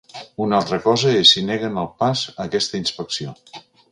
Una altra cosa és si neguen el pas a aquesta inspecció.